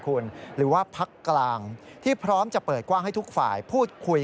กรณีนี้ทางด้านของประธานกรกฎาได้ออกมาพูดแล้ว